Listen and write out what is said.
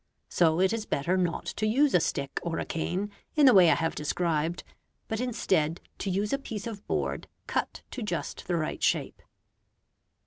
So it is better not to use a stick or a cane in the way I have described, but instead to use a piece of board cut to just the right shape.